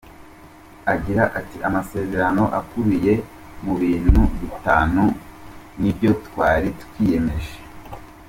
Agira ati “Amasezerano akubiye mu bintu bitanu nibyo twari twiyemeje.